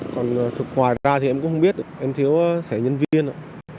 còn ngoài ra thì em cũng không biết em thiếu thẻ nhân viên ạ